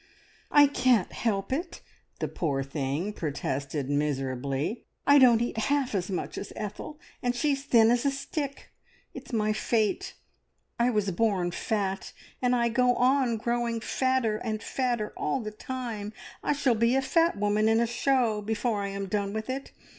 "I can't help it," the poor thing protested miserably. "I don't eat half as much as Ethel, and she's as thin as a stick. It's my fate! I was born fat, and I go on growing fatter and fatter all the time. I shall be a fat woman in a show, before I am done with it.